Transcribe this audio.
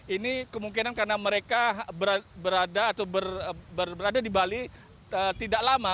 ini kemungkinan karena mereka berada di bali tidak lama